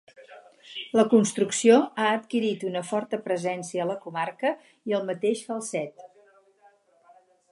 La construcció ha adquirit una forta presència a la comarca i al mateix Falset.